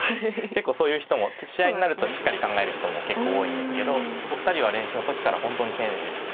結構そういう人も試合になるとしっかり考える人も結構多いんですけどお二人は練習の時から本当に丁寧です。